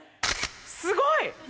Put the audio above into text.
すごい！